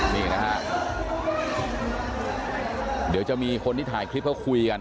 นี่นะฮะเดี๋ยวจะมีคนที่ถ่ายคลิปเขาคุยกัน